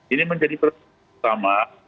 ini menjadi peran utama